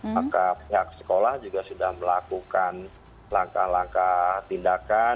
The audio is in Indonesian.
maka pihak sekolah juga sudah melakukan langkah langkah tindakan